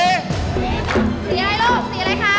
สีไรลุยสีไรคะ